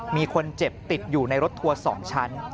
มีคนเจ็บติดอยู่ในรถทัวร์๒ชั้น